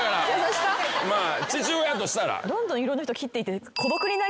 まあ父親としたら。